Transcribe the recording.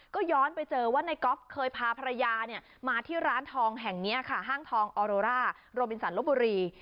ก็ย้อนไปเจอว่าในก๊อฟเคยพาภรรยามาที่ร้านทองแห่งนี้ค่ะห้างทองออโรร่าโรบินสันลบบุรี